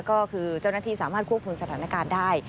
ก็คือเจ้าหน้าที่สามารถควบคุมสถานการณ์ได้